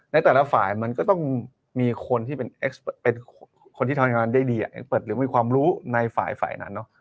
ในแต่ละฝ่ายมันก็ต้องมีคนที่เป็นคนที่ทำงานได้ดีเอ็กเปิดหรือมีความรู้ในฝ่ายฝ่ายนั้นเนอะ